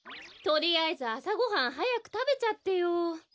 とりあえずあさごはんはやくたべちゃってよ。